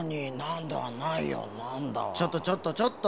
ちょっとちょっとちょっと。